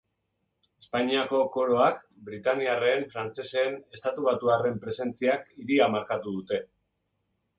Espainiako Koroak, britaniarren, frantsesen, estatubatuarren presentziak hiria markatu dute.